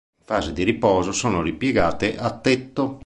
In fase di riposo sono ripiegate a tetto.